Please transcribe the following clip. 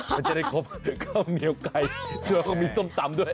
มันจะได้ครบข้าวเหนียวไก่แล้วก็มีส้มตำด้วย